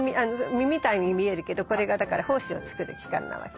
実みたいに見えるけどこれがだから胞子を作る器官なわけ。